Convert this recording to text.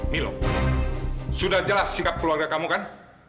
milo sudah jelas sikap keluarga kamu kan